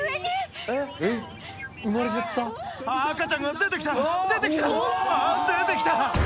出てきた！